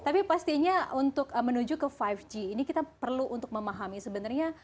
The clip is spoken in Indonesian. tapi pastinya untuk menuju ke lima g ini kita perlu untuk memahami sebenarnya